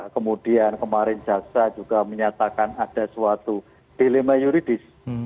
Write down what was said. kemudian kemarin jaksa juga menyatakan ada suatu dilema yuridis